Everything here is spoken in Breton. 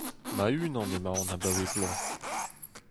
Ma-unan emaon abaoe bloaz.